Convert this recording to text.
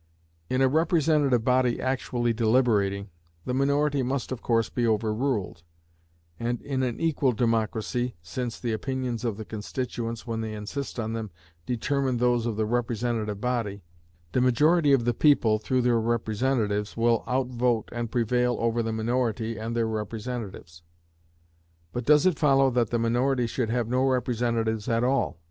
In a representative body actually deliberating, the minority must of course be overruled; and in an equal democracy (since the opinions of the constituents, when they insist on them, determine those of the representative body), the majority of the people, through their representatives, will outvote and prevail over the minority and their representatives. But does it follow that the minority should have no representatives at all?